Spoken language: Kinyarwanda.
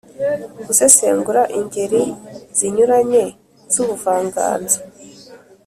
Gusesengura ingeri zinyuranye z’ubuvanganzo